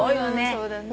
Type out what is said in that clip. そうだね。